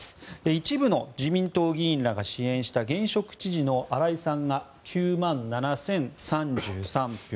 一部の自民党議員らが支援した現職知事の荒井さんが９万７０３３票。